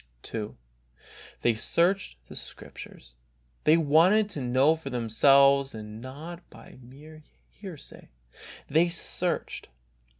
2. "They searched the Scriptures." They wanted to know for themselves, and not by mere hearsay. They searched.